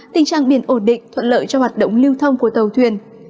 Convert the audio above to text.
tình trạng biển ổn định thuận lợi cho hoạt động lưu thông của tàu thuyền